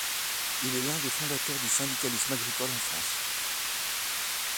Il est l'un des fondateurs du syndicalisme agricole en France.